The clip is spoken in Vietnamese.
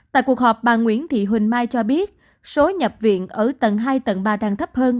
tại cuộc họp bà nguyễn thị huỳnh mai cho biết số nhập viện ở tầng hai tầng ba đang thấp hơn